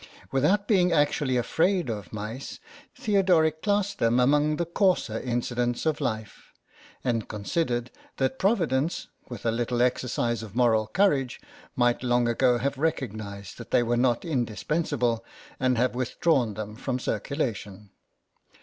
Without being actually afraid of mice, Theodoric classed them among the coarser incidents of life, and considered that Providence, with a little exercise of moral courage, might long ago have recognised that they were not indis pensable, and have withdrawn them from circulation.